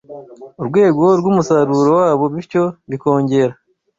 urwego rwumusaruro wabo bityo bikongera